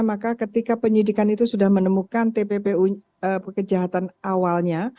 maka ketika penyidikan itu sudah menemukan tppu kejahatan awalnya